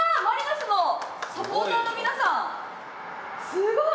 すごい！